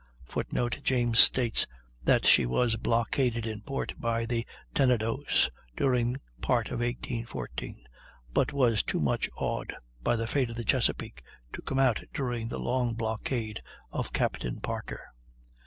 [Footnote: James states that she was "blockaded" in port by the Tenedos, during part of 1814; but was too much awed by the fate of the Chesapeake to come out during the "long blockade" of Captain Parker.